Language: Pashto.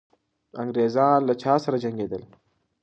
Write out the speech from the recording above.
انګریزان له چا سره جنګېدل؟